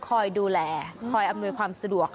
คอยดูแลคอยอำนวยความสะดวก